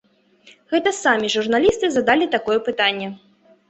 Гэта самі журналісты задалі такое пытанне!